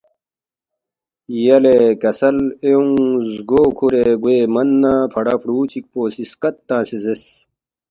یلے کسل ایونگ زگو کھورے گوے من نہ فڑا فرُو چِکپو سی سکت تنگسے زیرس،